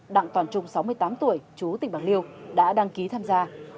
đặng toàn trung sáu mươi tám tuổi chú tỉnh bạc liêu đã đăng ký tham gia